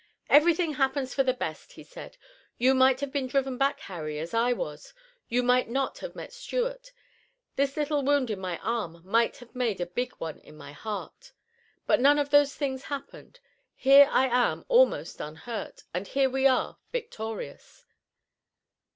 "Everything happens for the best," he said. "You might have been driven back, Harry, as I was. You might not have met Stuart. This little wound in my arm might have been a big one in my heart. But none of those things happened. Here I am almost unhurt, and here we are victorious."